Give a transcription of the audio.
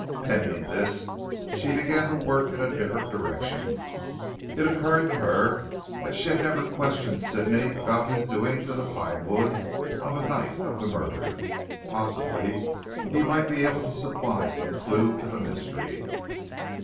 Pending this, she began to work in a different direction. It occurred to her that she had never questioned Sidney about his doings in the Pine wood on the night of the murder. Possibly he might be able to supply some clue to the mystery.